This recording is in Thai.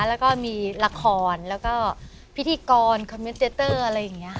แล้วก็มีละครแล้วก็พิธีกรคอมเมนเตอร์อะไรอย่างนี้ค่ะ